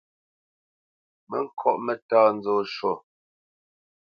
Mǝ ŋkɔ́ʼ mǝ́tá nzó shwô.